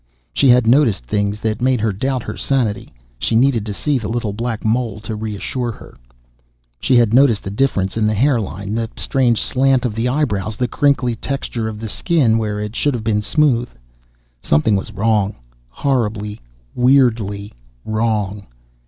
She had noticed things that made her doubt her sanity; she needed to see the little black mole to reassure her ... She had noticed the difference in the hair line, the strange slant of the eyebrows, the crinkly texture of the skin where it should have been smooth ... Something was wrong ... horribly, weirdly wrong